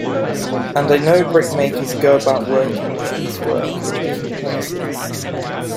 And I know brickmakers go about working at piecework in different places.